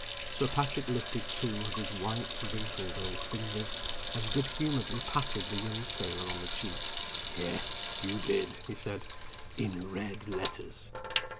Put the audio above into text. Sir Patrick lifted two of his white, wrinkled old fingers, and good humoredly patted the young sailor on the cheek. "Yes you did," he said. "In red letters."